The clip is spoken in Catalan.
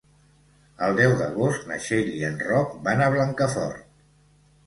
El deu d'agost na Txell i en Roc van a Blancafort.